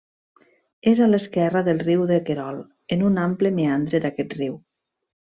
És a l'esquerra del Riu de Querol, en un ample meandre d'aquest riu.